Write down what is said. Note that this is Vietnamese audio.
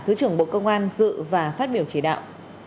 thứ trưởng bộ công an dự và phát biểu chỉ đạo